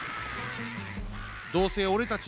どうせオレたち